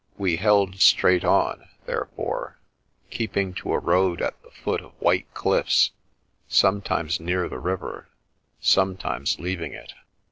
We held straight on, therefore, keeping to a road at the foot of white cliflFs, sometimes near the river, sometimes leaving it.